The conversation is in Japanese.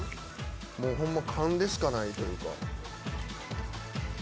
もうホンマ勘でしかないというか。